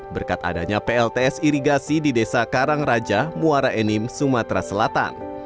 berkat adanya plts irigasi di desa karangraja muara enim sumatera selatan